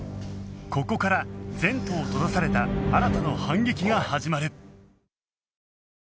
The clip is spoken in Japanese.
ここから前途を閉ざされた新の反撃が始まる